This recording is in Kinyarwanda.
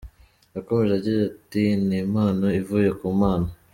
Yakomeje agira ati : “Ni impano ivuye ku Mana.